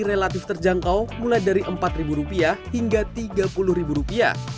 relatif terjangkau mulai dari rp empat hingga rp tiga puluh